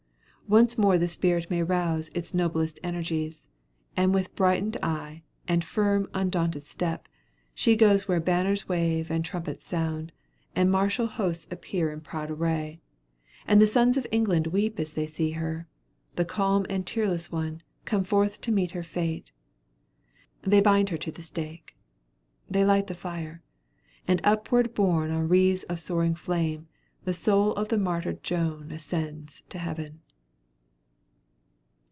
Once more the spirit may rouse its noblest energies; and with brightened eye, and firm, undaunted step, she goes where banners wave and trumpets sound, and martial hosts appear in proud array. And the sons of England weep as they see her, the calm and tearless one, come forth to meet her fate. They bind her to the stake; they light the fire; and upward borne on wreaths of soaring flame, the soul of the martyred Joan ascends to heaven.